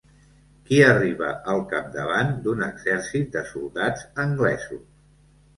Qui arriba al capdavant d'un exèrcit de soldats anglesos?